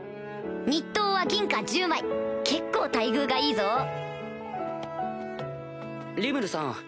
日当は銀貨１０枚結構待遇がいいぞリムルさん